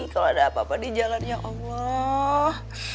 kalau ada apa apa di jalan ya allah